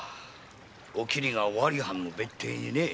お桐が尾張藩の別邸にねえ。